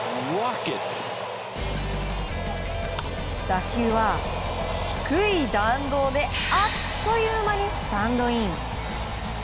打球は低い弾道であっという間にスタンドイン。